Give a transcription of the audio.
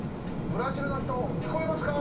ブラジルのひときこえますか？